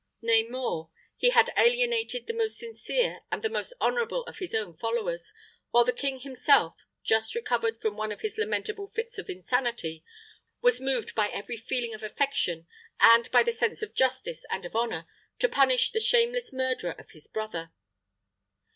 Nay more, he had alienated the most sincere and the most honorable of his own followers, while the king himself, just recovered from one of his lamentable fits of insanity, was moved by every feeling of affection, and by the sense of justice and of honor, to punish the shameless murderer of his brother.